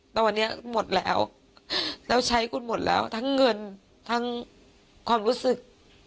แต่วันนี้หมดแล้วแล้วใช้คุณหมดแล้วทั้งเงินทั้งความรู้สึก